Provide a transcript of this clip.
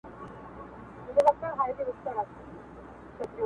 ما کلونه وړاندې دده یو بیت چېرته ولید